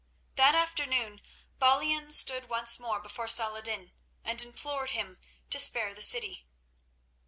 That afternoon Balian stood once more before Saladin and implored him to spare the city.